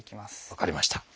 分かりました。